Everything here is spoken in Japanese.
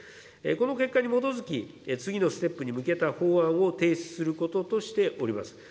この結果に基づき、次のステップに向けた法案を提出することとしております。